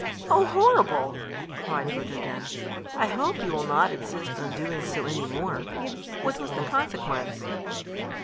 "Oh, horrible!" cried Photogen. "I hope you will not insist on doing so any more. What was the consequence?"